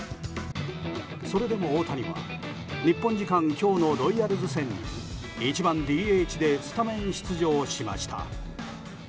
それでも、大谷は日本時間今日のロイヤルズ戦に１番ＤＨでスタメン出場しました。